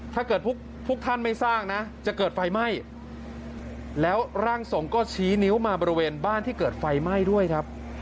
ถ้าเกิดพวกท่านไม่สร้างนะจะเกิดไฟไหม้แล้วร่างทรงก็ชี้นิ้วมาบริเวณบ้านที่เกิดไฟไหม้ด้วยครับ